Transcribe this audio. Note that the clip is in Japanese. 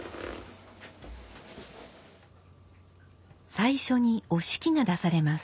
最初に折敷が出されます。